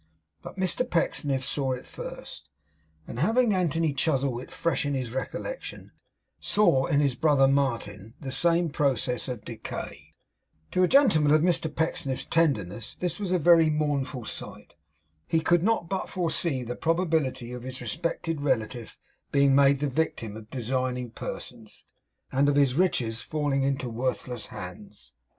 But Mr Pecksniff saw it first, and having Anthony Chuzzlewit fresh in his recollection, saw in his brother Martin the same process of decay. To a gentleman of Mr Pecksniff's tenderness, this was a very mournful sight. He could not but foresee the probability of his respected relative being made the victim of designing persons, and of his riches falling into worthless hands.